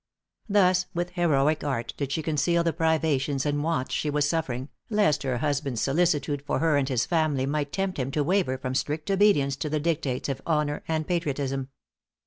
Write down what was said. Thus with heroic art did she conceal the privations and wants she was suffering, lest her husband's solicitude for her and his family might tempt him to waver from strict obedience to the dictates of honor and patriotism.